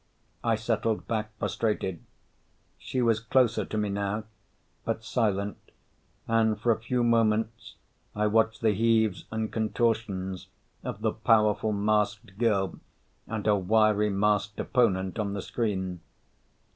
I settled back, frustrated. She was closer to me now, but silent and for a few moments I watched the heaves and contortions of the powerful masked girl and her wiry masked opponent on the screen.